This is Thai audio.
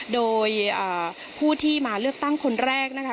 โดยผู้ที่มาเลือกตั้งคนแรกนะคะ